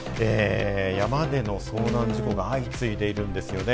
山での遭難事故が相次いでいるんですよね。